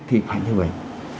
thì phải như vậy